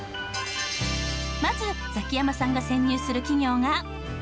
まずザキヤマさんが潜入する企業が。